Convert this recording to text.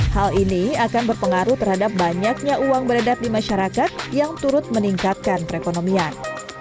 hal ini akan berpengaruh terhadap banyaknya uang beredar di masyarakat yang turut meningkatkan perekonomian